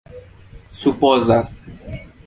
supozas